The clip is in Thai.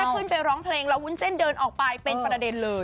ขึ้นไปร้องเพลงแล้ววุ้นเส้นเดินออกไปเป็นประเด็นเลย